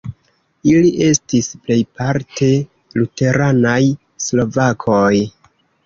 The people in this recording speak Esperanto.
Ili estis plejparte luteranaj slovakoj.